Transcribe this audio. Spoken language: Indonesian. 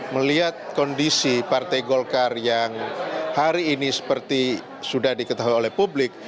melihat kondisi partai golkar yang hari ini seperti sudah diketahui oleh publik